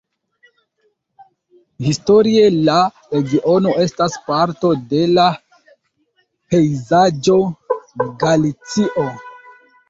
Historie la regiono estas parto de la pejzaĝo Galicio.